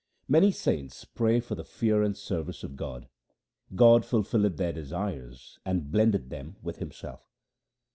Many saints pray for the fear and service of God ; God fulfilleth their desires, and blendeth them with Himself.